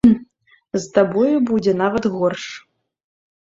З табою будзе нават горш.